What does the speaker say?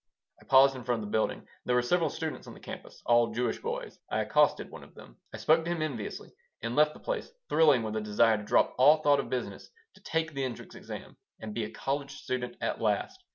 I paused in front of the building. There were several students on the campus, all Jewish boys. I accosted one of them. I spoke to him enviously, and left the place thrilling with a determination to drop all thought of business, to take the entrance examination, and be a college student at last.